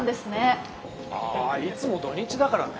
あいつも土日だからね。